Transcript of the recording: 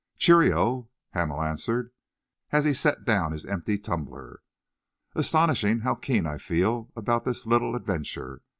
"Cheero!" Hamel answered, as he set down his empty tumbler. "Astonishing how keen I feel about this little adventure.